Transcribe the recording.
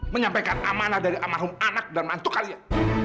menyampaikan amanah dari almarhum anak dan mantu kalian